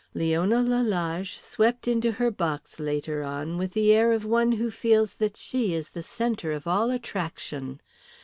Leona Lalage swept into her box later on with the air of one who feels that she is the centre of all attraction.